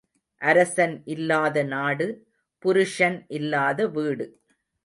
அரசன் இல்லாத நாடு, புருஷன் இல்லாத வீடு.